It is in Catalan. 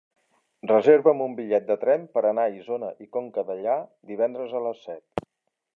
Reserva'm un bitllet de tren per anar a Isona i Conca Dellà divendres a les set.